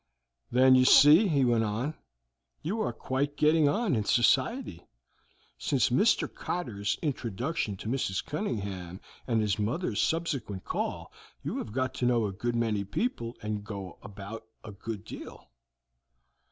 "Then, you see," he went on, "you are quite getting on in society; since Mr. Cotter's introduction to Mrs. Cunningham and his mother's subsequent call you have got to know a good many people and go about a good deal."